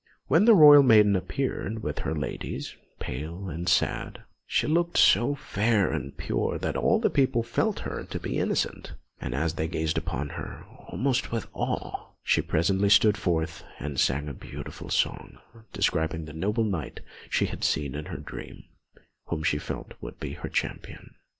When the royal maiden appeared with her ladies, pale and sad, she looked so fair and pure that all the people felt her to be innocent; and as they gazed upon her, almost with awe, she presently stood forth and sang a beautiful song, describing the noble Knight she had seen in her dream, whom she felt would be her Champion.